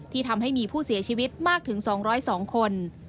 ทำให้มีผู้เสียชีวิตมากถึง๒๐๒คน